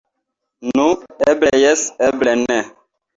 Nu, eble jes, eble ne.